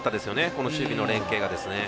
この守備の連係が。